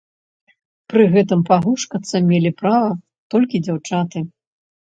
Пры гэтым пагушкацца мелі права толькі дзяўчаты.